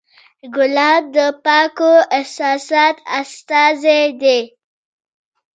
ګلاب د پاکو احساساتو استازی دی.